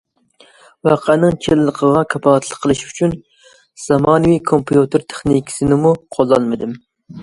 ۋەقەنىڭ چىنلىقىغا كاپالەتلىك قىلىش ئۈچۈن، زامانىۋى كومپيۇتېر تېخنىكىسىنىمۇ قوللانمىدىم.